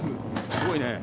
すごいね。